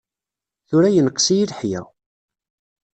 Tura yenqes-iyi leḥya.